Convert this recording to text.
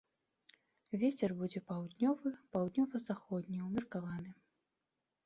Вецер будзе паўднёвы, паўднёва-заходні ўмеркаваны.